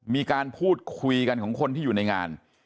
มีการพูดคุยกันของคนที่อยู่ในงาน